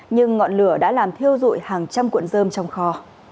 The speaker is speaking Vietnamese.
nhưng ngọn lửa đã làm thiêu rụi hàng trăm cuộn rơm trong kho